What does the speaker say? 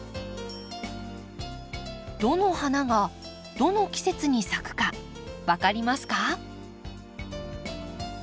どの花がどの季節に咲くか分かりますか？